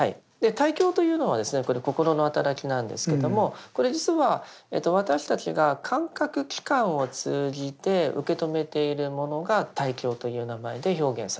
対境というのはこれ心の働きなんですけどもこれ実は私たちが感覚器官を通じて受け止めているものが対境という名前で表現されました。